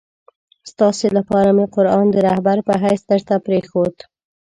ستاسي لپاره مي قرآن د رهبر په حیث درته پرېښود.